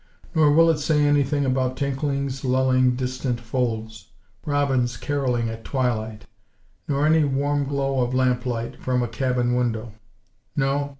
Nor will it say anything about tinklings lulling distant folds; robins carolling at twilight, nor any "warm glow of lamplight" from a cabin window. No.